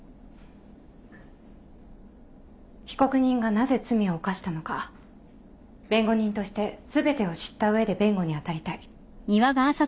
被告人がなぜ罪を犯したのか弁護人として全てを知った上で弁護に当たりたい。